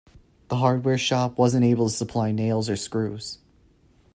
The hardware shop wasn't able to supply nails or screws.